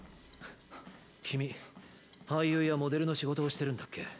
君俳優やモデルの仕事をしてるんだっけ？